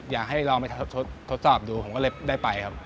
อยากให้ลองไปทดสอบดูผมก็เลยได้ไปครับ